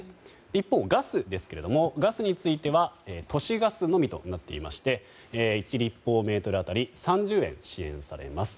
一方、ガスですけれどもガスについては都市ガスのみとなっていまして１立方メートル当たり３０円支援されます。